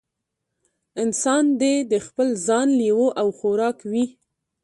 انسان دې د خپل ځان لېوه او خوراک وي.